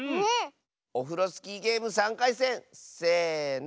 オフロスキーゲーム３かいせんせの。